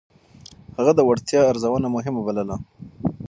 هغه د وړتيا ارزونه مهمه بلله.